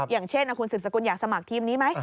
อย่างเช่นคุณสืบสกุลอยากสมัครทีมนี้ไหม